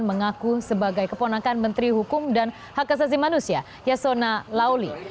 mengaku sebagai keponakan menteri hukum dan hak asasi manusia yasona lauli